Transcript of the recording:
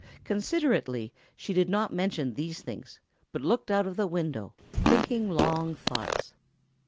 Considerately, she did not mention these things, but looked out of the window, thinking long thoughts.